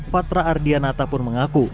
fatra ardianata pun mengaku